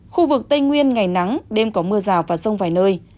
khu vực tây nguyên ngày nắng đêm có mưa rào và rông vài nơi